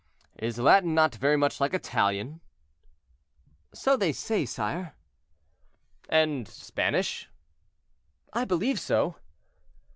"Is Latin not very much like Italian?" "So they say, sire." "And Spanish?" "I believe so."